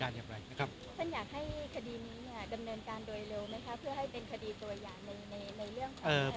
ท่านอยากให้คดีนี้ดำเนินการโดยเร็วไหมครับเพื่อให้เป็นคดีตัวอย่างในเรื่องธรรมชาติ